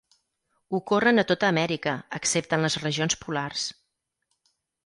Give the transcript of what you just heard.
Ocorren a tota Amèrica, excepte en les regions polars.